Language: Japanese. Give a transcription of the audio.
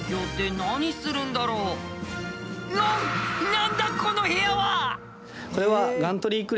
何だこの部屋は！